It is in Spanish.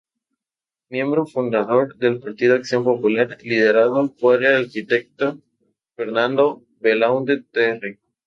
Miembro fundador del partido Acción Popular, liderado por el arquitecto Fernando Belaunde Terry.